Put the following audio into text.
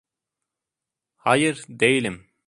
Hayır, değilim.